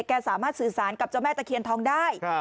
สามารถสื่อสารกับเจ้าแม่ตะเคียนทองได้